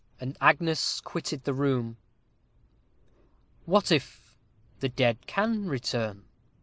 And Agnes quitted the room. "What if the dead can return?"